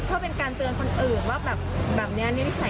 เพราะเป็นการเตือนคนอื่นว่าแบบแบบเนี้ยนิสัยไม่ดีมากเลย